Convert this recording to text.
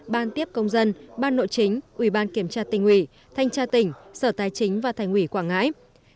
ban tiếp công dân ban nội chính ủy ban kiểm tra tỉnh ủy thanh tra tỉnh sở tài chính và thành ủy quảng ngãi